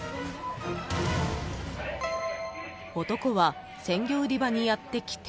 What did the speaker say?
［男は鮮魚売り場にやって来て］